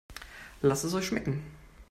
Lasst es euch schmecken!